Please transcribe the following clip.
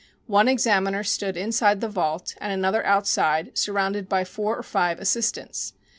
One examiner stood inside the vault and another outside, surrounded by four or five assistants.